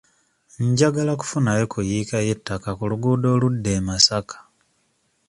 Njagala kufunayo ku yiika y'ettaka ku luguudo oludda e Masaka.